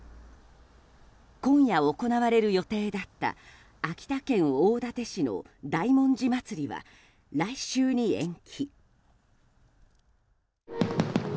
今夜、行われる予定だった秋田県大館市の大文字まつりは来週に延期。